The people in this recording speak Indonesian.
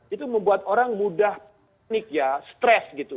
itu membuat orang mudah nik ya stres gitu